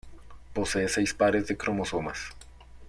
Posee seis pares de cromosomas.